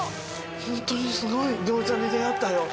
ホントにすごい餃子に出合ったよ。